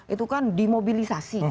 itu kan dimobilisasi